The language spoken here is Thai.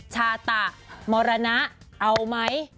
ชาตะมรณะเอาไหม